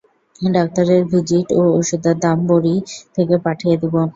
ডাক্তারের ভিজিট ও ওষুধের দাম বাড়ি থেকে পাঠিয়ে দেব।